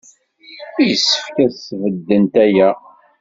Yessefk ad sbeddent aya.